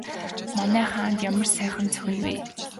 Манай хаанд ямар сайхан зохино вэ?